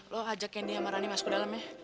lo ajak candy sama rani masuk ke dalamnya